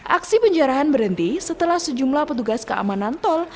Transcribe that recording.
aksi penjarahan berhenti setelah sejumlah petugas keamanan tol